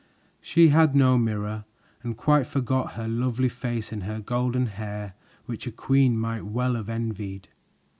She had no mirror and quite forgot her lovely face and her golden hair, which a queen might well have envied.